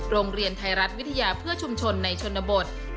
โรงเรียนไทยรัฐวิทยาเพื่อชุมชนในชนบท